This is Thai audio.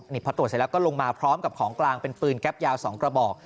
นี่พอตรวจเสร็จแล้วก็ลงมาพร้อมกับของกลางเป็นปืนแก๊ปยาว๒กระบอก